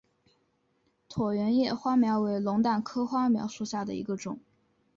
椭圆叶花锚为龙胆科花锚属下的一个种。